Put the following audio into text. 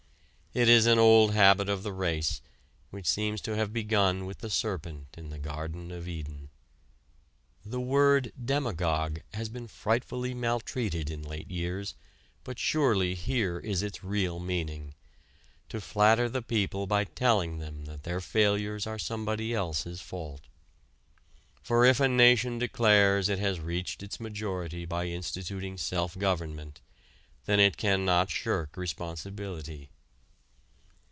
It is an old habit of the race which seems to have begun with the serpent in the Garden of Eden. The word demagogue has been frightfully maltreated in late years, but surely here is its real meaning to flatter the people by telling them that their failures are somebody else's fault. For if a nation declares it has reached its majority by instituting self government, then it cannot shirk responsibility.